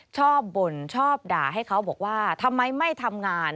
บ่นชอบด่าให้เขาบอกว่าทำไมไม่ทำงาน